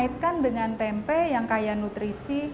kita mengaitkan dengan tempe yang kaya nutrisi